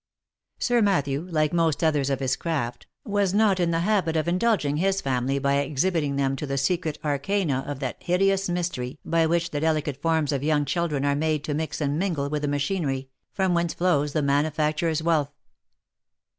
Sir Matthew, like most others of his craft, was not in the habit of indulging his family by ex hibiting to them the secret arcana of that hideous mystery by which the delicate forms of young children are made to mix and mingle with the machinery, from whence flows the manufacturer's wealth.